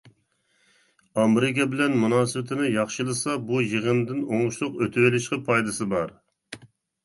ئامېرىكا بىلەن مۇناسىۋىتىنى ياخشىلىسا، بۇ يىغىندىن ئوڭۇشلۇق ئۆتۈۋېلىشىغا پايدىسى بار.